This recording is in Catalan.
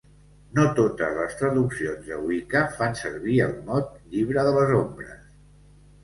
No totes les traduccions de wikka fan servir el mot "Llibre de los ombres".